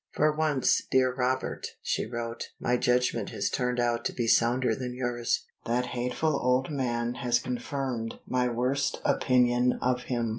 "For once, dear Robert," she wrote, "my judgment has turned out to be sounder than yours. That hateful old man has confirmed my worst opinion of him.